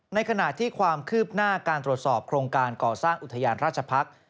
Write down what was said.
ในขณะที่ความคืบหน้าการตรวจสอบโครงการก่อสร้างอุทยานราชพักษ์